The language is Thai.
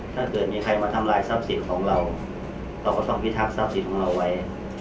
ถ้าเกิดมีใครมาทำลายทรัพย์สินของเราเราก็ต้องพิทักษัพสินของเราไว้